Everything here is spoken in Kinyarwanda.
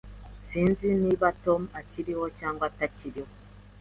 Sinzi niba Tom akiriho cyangwa atakiriho.